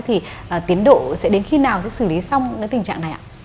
thì tiến độ sẽ đến khi nào sẽ xử lý xong cái tình trạng này ạ